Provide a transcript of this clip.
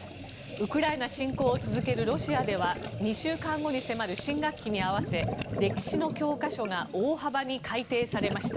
ウクライナ侵攻を続けるロシアでは２週間後に迫る新学期に合わせ歴史の教科書が大幅に改訂されました。